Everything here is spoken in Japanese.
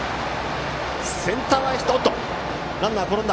センター前ヒット！